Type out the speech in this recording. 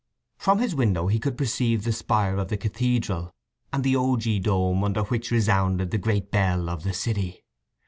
From his window he could perceive the spire of the cathedral, and the ogee dome under which resounded the great bell of the city.